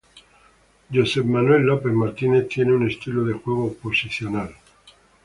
Josep Manuel López Martínez tiene un estilo de juego posicional.